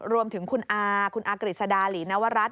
รวมถึงคุณอาคุณอากฤษดาหลีนวรัฐ